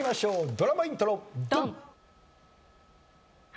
ドラマイントロドン！